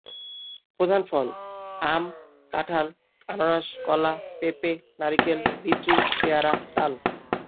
প্রধান ফল: আম, কাঁঠাল, আনারস, কলা, পেঁপে, নারিকেল, লিচু, পেয়ারা, তাল।